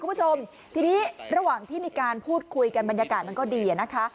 คุณผู้ชมทีนี้ระหว่างที่มีการพูดคุยกันบรรยากาศมันก็ดีอะนะคะ